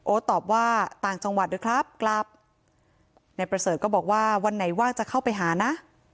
ตอบว่าต่างจังหวัดด้วยครับกลับนายประเสริฐก็บอกว่าวันไหนว่างจะเข้าไปหานะ